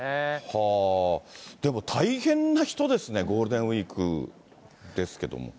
はぁー、でも大変な人ですね、ゴールデンウィークですけども。